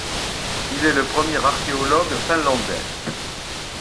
Il est le premier archéologue finlandais.